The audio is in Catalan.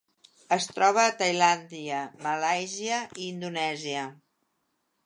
Es troba a Tailàndia, Malàisia i Indonèsia.